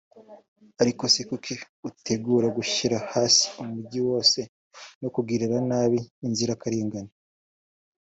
ariko se kuki utegura gushyira hasi Umujyi wose no kugirira nabi inzirakarengane